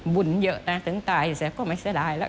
บุญเยอะนะถึงตายแสบก็ไม่เสียดายแล้ว